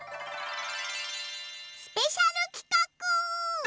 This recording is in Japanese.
スペシャルきかく！